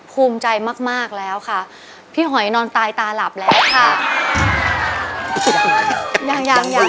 ถูกมือให้เสียตัวทับจงเป็นหมาน